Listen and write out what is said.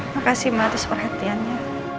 makasih ma terus perhatian ya